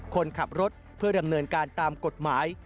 คนขับรถเพื่อดำเนินการตามกฎหมาย